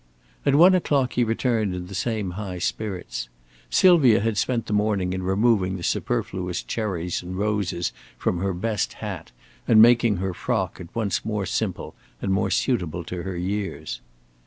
At one o'clock he returned in the same high spirits. Sylvia had spent the morning in removing the superfluous cherries and roses from her best hat and making her frock at once more simple and more suitable to her years.